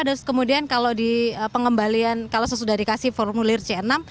terus kemudian kalau di pengembalian kalau sesudah dikasih formulir c enam